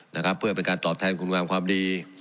นะครับเพื่อเป็นการตอบแทนคุณงามความดี